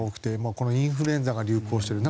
このインフルエンザが流行している。